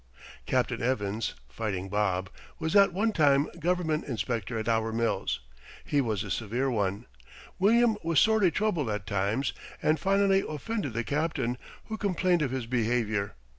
Captain Evans ("Fighting Bob") was at one time government inspector at our mills. He was a severe one. William was sorely troubled at times and finally offended the Captain, who complained of his behavior.